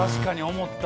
思った。